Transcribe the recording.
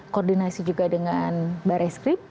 koordinasi juga dengan barai skrim